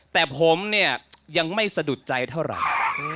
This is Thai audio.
แต่ผมเนี่ยยังไม่สะดุดใจเท่าไหร่